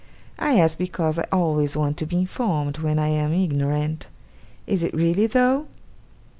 I ask because I always want to be informed, when I am ignorant. Is it really, though?